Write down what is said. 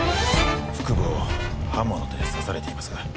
腹部を刃物で刺されています。